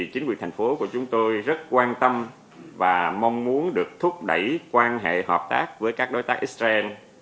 chính quyền thành phố của chúng tôi rất quan tâm và mong muốn được thúc đẩy quan hệ hợp tác với các đối tác israel